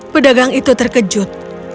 pedagang itu terkejut